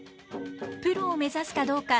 プロを目指すかどうか。